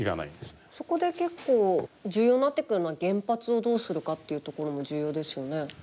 そこで結構重要になってくるのは原発をどうするかっていうところも重要ですよね。